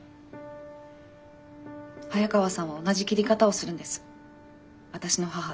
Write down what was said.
早川さんは同じ切り方をするんです私の母と。